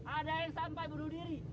ada yang sampai bunuh diri